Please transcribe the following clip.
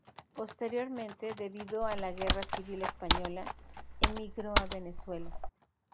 Posteriormente, debido a la Guerra Civil española, emigró a Venezuela.